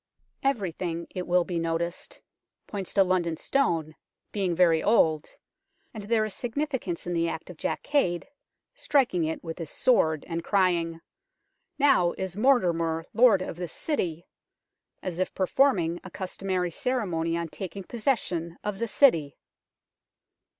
Everything, it will be noticed, points to London 132 UNKNOWN LONDON Stone being very old, and there is significance in the act of Jack Cade, striking it with his sword and crying, " Now is Mortimer lord of this city !" as if performing a customary ceremony on taking possession of the City.